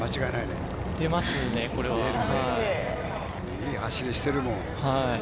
いい走りしてるもん。